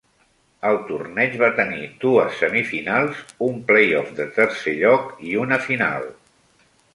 El torneig va tenir dues semifinals, un play-off de tercer lloc i una final.